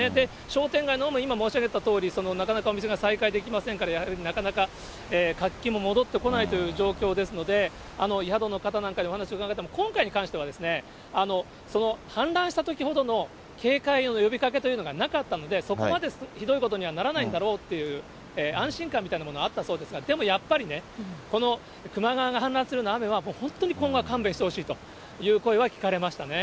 商店街のほうも、今申し上げたとおり、なかなかお店が再開できませんから、なかなか活気も戻ってこないという状況ですので、宿の方なんかにお話を伺っても、今回に関しては、氾濫したときほどの警戒の呼びかけがなかったので、そこまでひどいことにはならないんだろうという安心感みたいなものはあったそうですが、でもやっぱりね、この球磨川が氾濫するような雨は、本当に今後は勘弁してほしいという声は聞かれましたね。